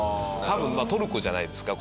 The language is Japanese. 多分トルコじゃないですか。